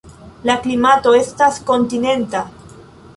La klimato estas kontinenta.